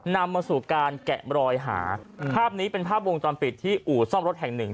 นำมาสู่การแกะรอยหาภาพนี้เป็นภาพวงจรปิดที่อู่ซ่อมรถแห่งหนึ่ง